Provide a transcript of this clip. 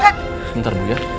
mas bentar dulu ya